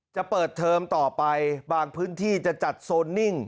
จะเปิดเทอมต่อไปบางพื้นที่จะจัดโซนนิ่ง